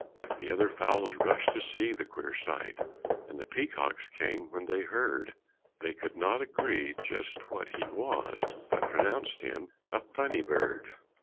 The other fowls rushed to see the queer sight; And the peacocks came when they heard; They could not agree just what he was, But pronounced him a funny bird.